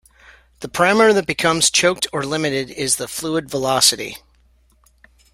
The parameter that becomes "choked" or "limited" is the fluid velocity.